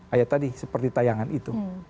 ayat tadi seperti tayangan itu